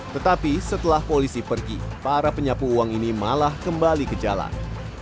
tetapi setelah polisi pergi para penyapu uang ini malah kembali ke jalan